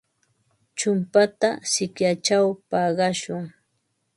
Chumpata sikyachaw paqashun.